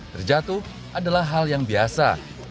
terjatuh adalah hal yang biasa